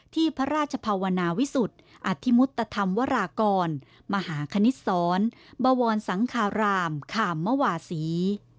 ที่พระราชภาวนาวิสุทธิ์อธิมุตธรรมวรากรมหาคณิตศรบวรสังคารามคามมวาศี